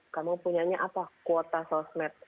kamu punyanya apa kuota sosmed